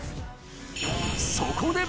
そこで！